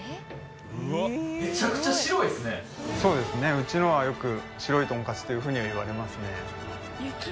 うちのはよく「白いトンカツ」というふうには言われますね。